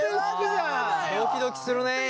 ドキドキするね！